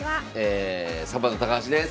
サバンナ高橋です。